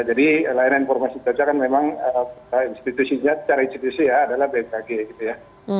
jadi layanan informasi cuaca kan memang institusinya cara institusi ya adalah bmkg gitu ya